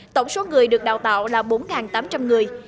tổng số người được đào tạo là bốn tám trăm linh người